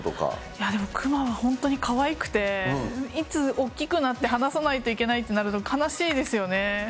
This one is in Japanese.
いや、でも熊は本当にかわいくて、いつ大きくなって放さないといけないってなると悲しいですよね。